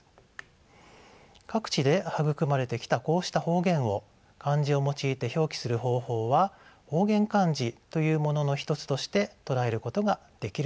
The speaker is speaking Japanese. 各地で育まれてきたこうした方言を漢字を用いて表記する方法は方言漢字というものの一つとして捉えることができるのです。